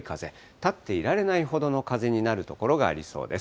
立っていられないほどの風になる所がありそうです。